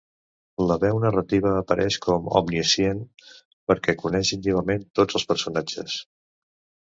La veu narrativa apareix com omniscient, perquè coneix íntimament tots els personatges.